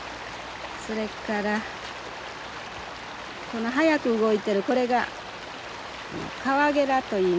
それからこの速く動いてるこれがカワゲラといいます。